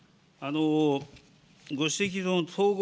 ご指摘の統合